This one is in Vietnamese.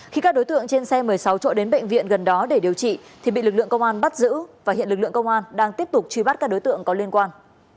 khi các đối tượng trên xe một mươi sáu chỗ đến bệnh viện gần đó để điều trị thì bị lực lượng công an bắt giữ và hiện lực lượng công an đang tiếp tục truy bắt các đối tượng có liên quan